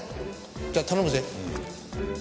じゃあ頼むぜ。